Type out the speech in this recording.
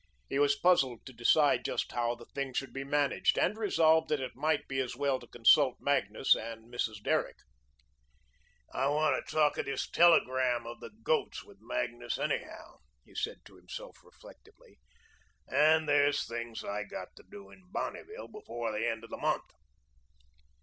He was puzzled to decide just how the thing should be managed, and resolved that it might be as well to consult Magnus and Mrs. Derrick. "I want to talk of this telegram of the goat's with Magnus, anyhow," he said to himself reflectively, "and there's things I got to do in Bonneville before the first of the month."